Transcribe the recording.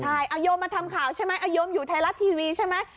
ใช่เอาโยมมาทำข่าวใช่ไหมเอาโยมอยู่ไทยรัฐทีวีใช่ไหม